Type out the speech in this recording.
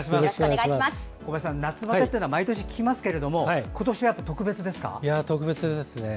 小林さん、夏バテって毎年聞きますけど特別ですね。